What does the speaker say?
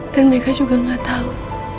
dan mereka juga gak tau